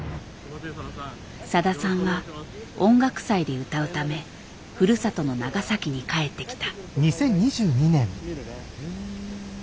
さださんは音楽祭で歌うためふるさとの長崎に帰ってきた。